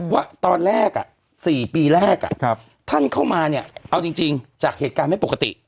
ว่าตอนแรก๔ปีแรกท่านเข้ามาเนี่ยเอาจริงจากเหตุการณ์ไม่ปกติ